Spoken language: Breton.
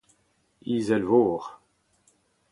izelvor